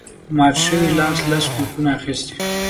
مات شوي لاس لس کوکونه اخیستي